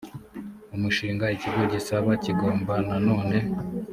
umushinga ikigo gisaba kigomba nanone